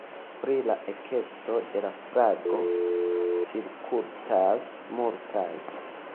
Pri la ekesto de la flago cirkultas multaj, parte patosaj legendoj.